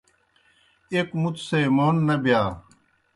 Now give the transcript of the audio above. ایْک مُتوْ سے مون نہ بِیا۔